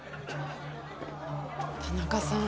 田中さん